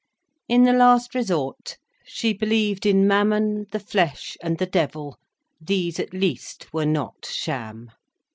In the last resort, she believed in Mammon, the flesh, and the devil—these at least were not sham.